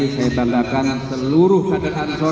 saya tandakan seluruh kadeh ansor